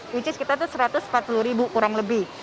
which is kita tuh satu ratus empat puluh ribu kurang lebih